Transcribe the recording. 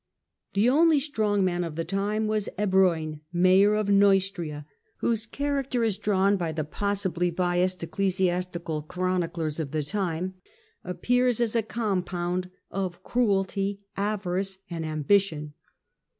The only strong man of the time was Ebroin, Mayor of Neustria, whose character, as drawn Ebroin, by the possibly biassed ecclesiastical chroniclers of the Neustria time, appears as a compound of cruelty, avarice and ambition.